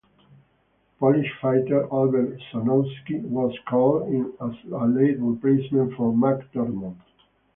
Polish fighter Albert Sosnowski was called in as a late replacement for McDermott.